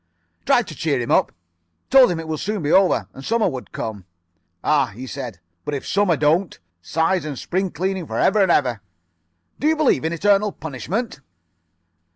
"Tried to cheer him up. Told him it would soon be over. And Summer would come. "'Ah,' he said, 'but if Summer don't! Size and spring cleaning for ever and ever. Do you believe in eternal punishment?